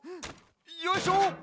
よいしょ！